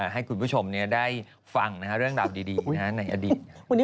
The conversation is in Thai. ให้คุณผู้ชมได้ฟังเรื่องราวดีในอดีต